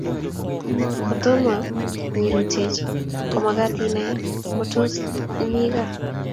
Kotoma nyirutechi komakat inai ngo tos mito gaa